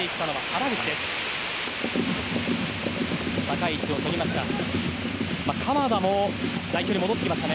高い位置をとりました。